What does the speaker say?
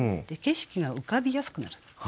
景色が浮かびやすくなる。